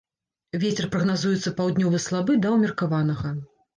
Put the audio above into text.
Вецер прагназуецца паўднёвы слабы да ўмеркаванага.